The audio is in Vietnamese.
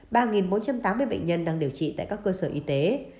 ba bốn trăm tám mươi bệnh nhân đang điều trị tại các cơ sở y tế